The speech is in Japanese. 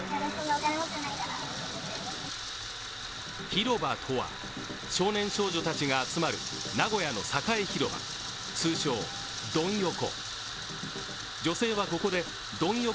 広場とは、少年少女たちが集まる名古屋の栄広場、通称・ドン横。